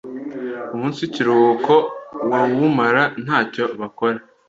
Umunsi w’ikiruhuko bawumara ntacyo bakora